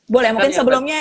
boleh mungkin sebelumnya